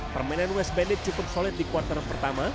permainan west bandit cukup solid di kuartal pertama